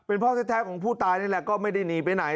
เป็นพ่อแท้ของผู้ตายนี่แหละก็ไม่ได้หนีไปไหน